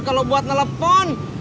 kalau buat telepon